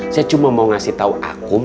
saya cuma mau ngasih tau akum